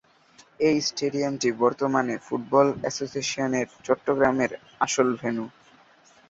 এই স্টেডিয়ামটি বর্তমানে ফুটবল এসোসিয়েশনের চট্টগ্রামের আসল ভেন্যু।